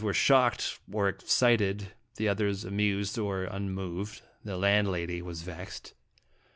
109 were shocked or excited ; the others amused or unmoved; the landlady was vexed.